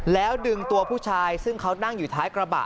แล้วดึงตัวผู้ชายซึ่งเขานั่งอยู่ท้ายกระบะ